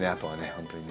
本当にね。